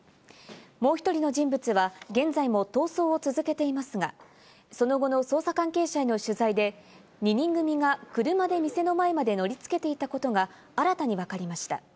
もう１人の人物は現在も逃走を続けていますが、その後の捜査関係者への取材で、２人組が車で店の前まで乗り付けていたことが新たにわかりました。